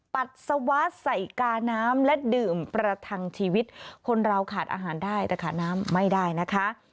ปัสสาวะใส่กาน้ำและดื่มประทังชีวิตคนเราขาดอาหารได้แต่ขาดน้ำไม่ได้นะคะ